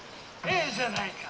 「ええじゃないか」